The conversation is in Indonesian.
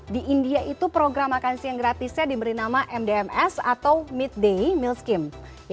di india itu program makan siang gratisnya diberi nama mdms atau midday meal scheme